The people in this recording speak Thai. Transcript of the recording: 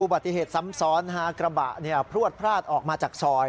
บุปฏิเหตุซ้ำซ้อนฮากระบะพลวดพลาดออกมาจากซอย